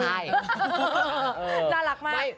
ใช่น่ารักมาก